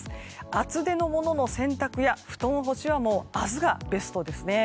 厚手のものの洗濯や布団干しは明日がベストですね。